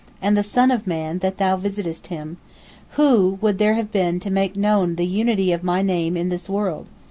And the son of man, that Thou visitest him? who would there have been to make known the unity of My Name in this world?"